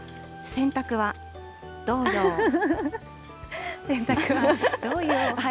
洗濯はどうよう？